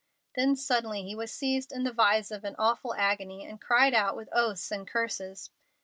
Then suddenly he was seized in the vise of an awful agony, and cried out with oaths and curses.